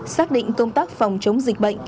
xác định công tác phòng chống dịch bệnh